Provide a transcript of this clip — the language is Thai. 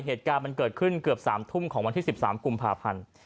เหตุการณ์มันเกิดขึ้นเกือบ๓ทุ่มของวันที่๑๓กุมภาพันธ์